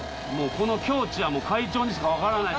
この境地は会長にしか分からない。